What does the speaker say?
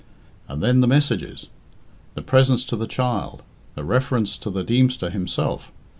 And then the messages! The presents to the child! The reference to the Deemster himself!